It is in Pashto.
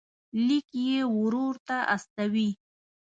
لیک یې ورور ته استوي.